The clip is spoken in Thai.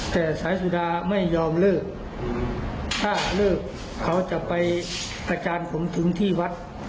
แต่สายสุดาไม่ยอมเลิกถ้าเลิกเขาจะไปประจานผมถึงที่วัด